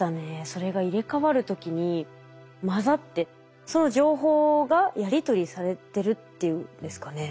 それが入れ替わる時に混ざってその情報がやり取りされてるっていうんですかね。